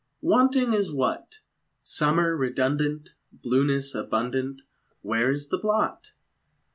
Wanting is what? Summer redundant, Blueness abundant, Where is the blot?